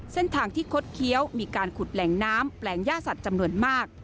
เส้นทางที่คดเคี้ยวมีการขุดแหล่งน้ำแปลงย่าสัตว์จำนวนมาก